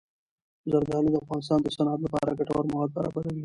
زردالو د افغانستان د صنعت لپاره ګټور مواد برابروي.